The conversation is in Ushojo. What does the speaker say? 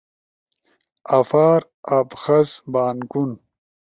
آفار، ابخز، بانکون